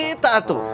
terserah kita tuh